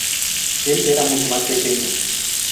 Él era mucho más pequeño.